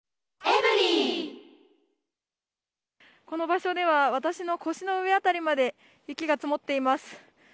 この場所では私の腰の上辺りまで雪が積もっています。